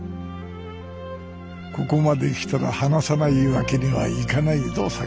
ここまできたら話さないわけにはいかないぞさくら